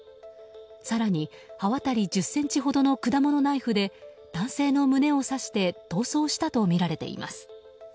更に刃渡り１０ｃｍほどの果物ナイフで男性の胸を刺して逃走したとみられています。